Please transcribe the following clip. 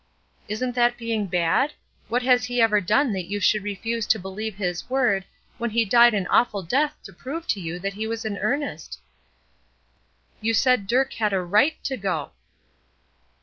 "Isn't that being bad? What has He ever done that you should refuse to believe His word, when He died an awful death to prove to you that He was in earnest?" "You said Dirk had a right to go."